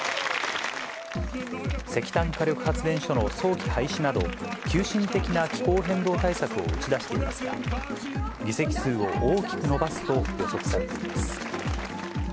石炭火力発電所の早期廃止など、急進的な気候変動対策を打ち出していますが、議席数を大きく伸ばすと予測されています。